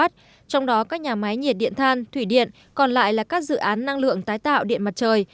trong đó các nhà máy nhiệt điện than thủy điện còn lại là các dự án năng lượng tái tạo điện mặt trời